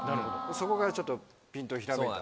そこがちょっとピンとひらめいた。